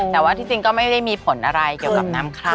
แต่ว่าที่จริงก็ไม่ได้มีผลอะไรเกี่ยวกับน้ำคราว